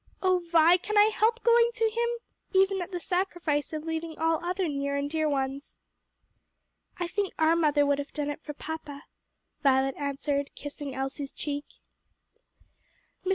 O Vi, can I help going to him, even at the sacrifice of leaving all other near and dear ones?" "I think our mother would have done it for papa," Violet answered, kissing Elsie's cheek. Mr.